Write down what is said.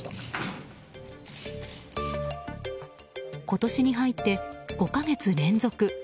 今年に入って５か月連続。